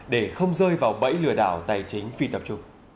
để không rơi vào bẫy lừa đảo tài chính phi tập trung